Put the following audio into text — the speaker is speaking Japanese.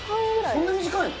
そんな短いの？